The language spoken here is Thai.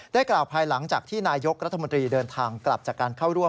กล่าวภายหลังจากที่นายกรัฐมนตรีเดินทางกลับจากการเข้าร่วม